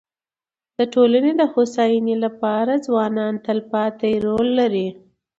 د ټولني د هوسايني لپاره ځوانان تلپاتي رول لري.